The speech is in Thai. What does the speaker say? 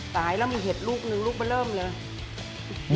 ใจแล้วเห็ดลูกนึงลูกมันเริ่มเลย